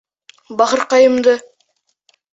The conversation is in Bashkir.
Бахырҡайымды!